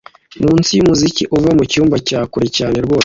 Munsi yumuziki uva mucyumba cya kure cyane rwose